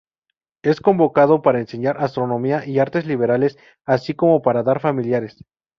Es convocado para enseñar astronomía y artes liberales así como para dar familiares.